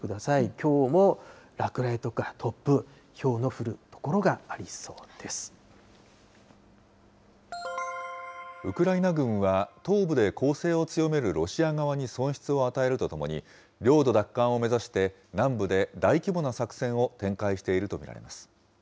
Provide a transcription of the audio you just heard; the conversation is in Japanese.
きょうも落雷とか突風、ひょうのウクライナ軍は、東部で攻勢を強めるロシア側に損失を与えるとともに、領土奪還を目指して、南部で大規模な作戦を展開していると見られます。